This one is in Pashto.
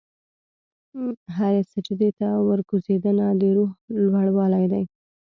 هره سجدې ته ورکوځېدنه، د روح لوړوالی دی.